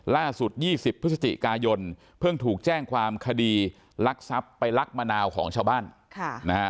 ล่าสุด๒๐พฤศจิกายนเพิ่งถูกแจ้งความคดีลักทรัพย์ไปลักมะนาวของชาวบ้านค่ะนะฮะ